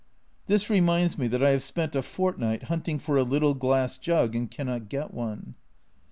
(This reminds me that I have spent a fortnight hunting for a little glass jug and cannot get one.)